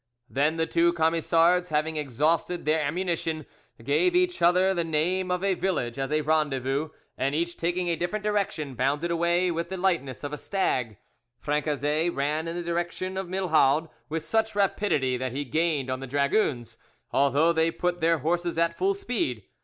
Then the two Camisards, having exhausted their ammunition, gave each other the name of a village as a rendezvous, and each taking a different direction, bounded away with the lightness of a stag. Francezet ran in the direction of Milhaud with such rapidity that he gained on the dragoons, although they put their horses at full speed.